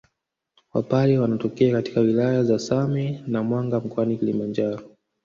Wapare wanatokea katika wilaya za Same na Mwanga mkoani Kilimanjaro